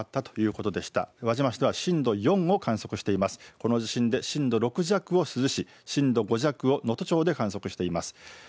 この地震で震度６弱を珠洲市、震度５弱を能登町で観測しています。